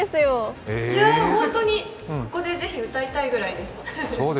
本当にここでぜひ歌いたいぐらいです。